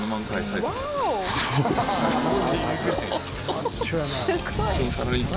「マッチョやな」